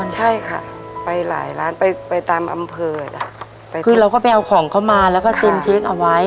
ใช่ค่ะไปหลายร้านไปไปตามอำเภอจ้ะคือเราก็ไปเอาของเขามาแล้วก็เซ็นเช็คเอาไว้